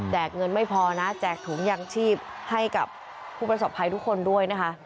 เงินไม่พอนะแจกถุงยางชีพให้กับผู้ประสบภัยทุกคนด้วยนะคะ